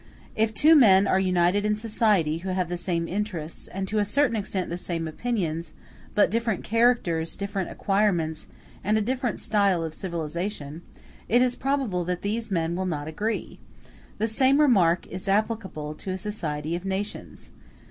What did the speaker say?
If two men are united in society, who have the same interests, and to a certain extent the same opinions, but different characters, different acquirements, and a different style of civilization, it is probable that these men will not agree. The same remark is applicable to a society of nations.